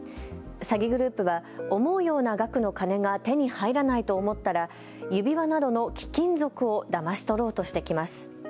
詐欺グループは思うような額の金が手に入らないと思ったら指輪などの貴金属をだまし取ろうとしてきます。